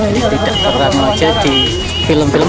jadi tidak terang saja di film film